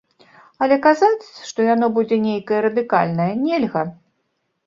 Але казаць, што яно будзе нейкае радыкальнае, нельга.